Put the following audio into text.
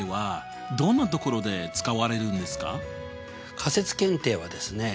仮説検定はですね